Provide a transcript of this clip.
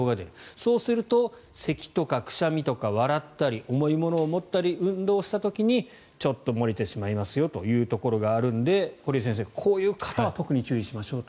そうすると、せきとかくしゃみとか笑ったり重いものを持ったり運動した時にちょっと漏れてしまいますよというところがあるので堀江先生、こういう方は特に注意しましょうと。